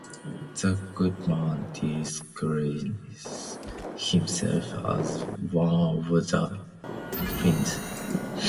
The goodman disguises himself as one of the fiends.